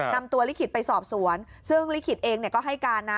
นำตัวลิขิตไปสอบสวนซึ่งลิขิตเองก็ให้การนะ